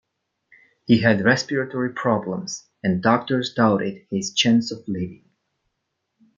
He had respiratory problems and doctors doubted his chance of living.